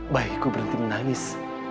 baikku berhenti menangis